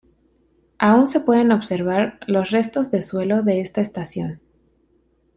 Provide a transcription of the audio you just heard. Aun se pueden observar los restos de suelo de esta estación.